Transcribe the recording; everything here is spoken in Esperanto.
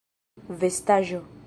vestaĵo